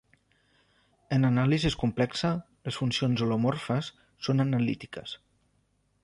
En anàlisi complexa, les funcions holomorfes són analítiques.